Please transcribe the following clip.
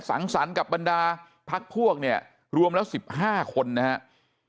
สั่งสรรควรทรัพย์พวกเนี่ยรวมแล้ว๑๕คนเนี่ย